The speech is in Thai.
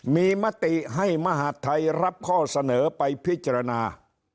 มีมติให้มหาดไทยรับข้อเสนอไปพิจารณา